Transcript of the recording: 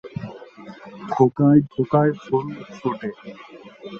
থোকায় থোকায় ফুল ফোটে।